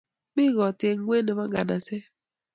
Mi kot eng kwen nepo nganaset